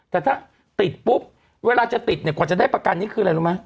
แต่ถ้าติดปุ๊บเวลาจะติดเนี่ยกว่าจะได้ประกันนี่คืออะไรรู้ไหม